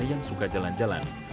yang suka jalan jalan